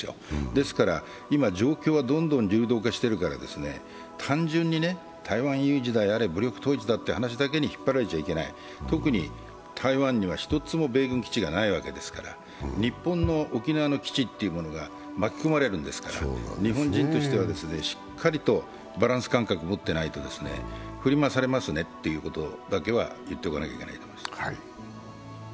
ですから、今状況はどんどん流動化しているから単純に台湾有事だ、やれ武力行使だなんて話にしてはいけない特に台湾には１つも米軍基地がないわけですから日本の沖縄の基地というものが巻き込まれるんですから、日本人としてはしっかりとバランス感覚を持っておかないと振り回されますねということは言っておかないといけない。